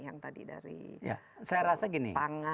yang tadi dari pangan